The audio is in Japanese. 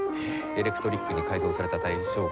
エレクトリックに改造された大正琴を。